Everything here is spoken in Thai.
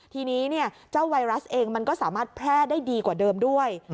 ทีนี้เจ้าไวรัสเองมันก็สามารถแพร่ได้ดีกว่าเดิมด้วย